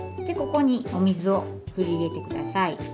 でここにお水を振り入れてください。